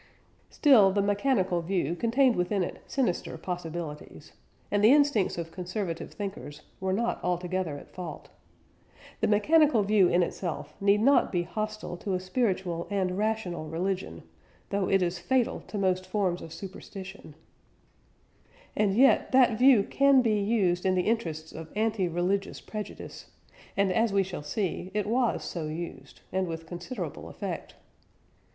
" Still, the mechanical view contained within it sinister possibilities; and the instincts of conservative thinkers were not altogether at fault. The mechanical view in itself need not be hostile to a spiritual and rational religion (though it is fatal to most forms of superstition); and yet that view can be used in the interests of anti religious prejudice and, as we shall see, it was so used, and with considerable effect.